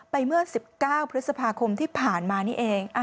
เมื่อ๑๙พฤษภาคมที่ผ่านมานี่เอง